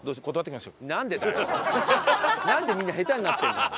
なんでみんな下手になってるんだよ。